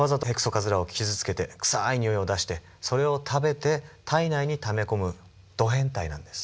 カズラを傷つけて臭いにおいを出してそれを食べて体内にため込むド変態なんです。